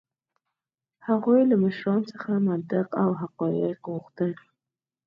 هغوی له مشرانو څخه منطق او حقایق غوښتل.